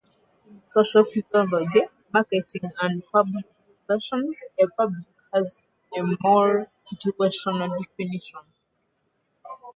In social psychology, marketing, and public relations, a public has a more situational definition.